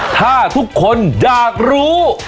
ถ้าทุกคนอยากรู้